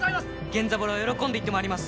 源三郎喜んで行ってまいります。